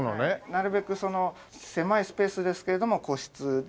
なるべくその狭いスペースですけれども個室で。